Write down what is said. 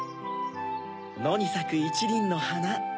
のにさく１りんのはな。